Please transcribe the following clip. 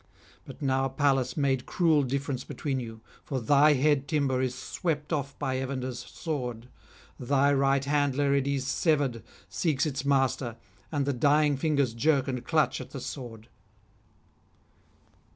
But now Pallas made cruel difference between you; for thy head, Thymber, is swept off by Evander's sword; thy right hand, Larides, severed, seeks its master, and the dying fingers jerk and clutch at the sword.